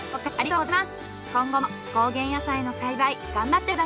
ありがとうございます。